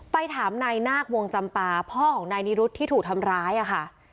ถามนายนาควงจำปาพ่อของนายนิรุธที่ถูกทำร้ายค่ะ